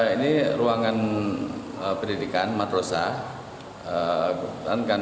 ini ruangan pendidikan madrasah